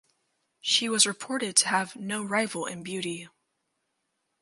She was reported to have "no rival in beauty".